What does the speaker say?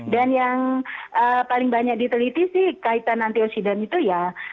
dan yang paling banyak diteliti sih kaitan antioksidan itu ya